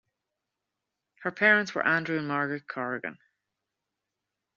Her parents were Andrew and Margaret Corrigan.